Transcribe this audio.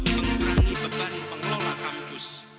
mengurangi beban pengelola kampus